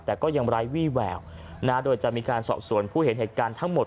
แต่ก็ยังไร้วี่แววโดยจะมีการสอบส่วนผู้เห็นเหตุการณ์ทั้งหมด